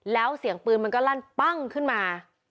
แล้วเสียงปืนมันก็ลั่นปั้งขึ้นมา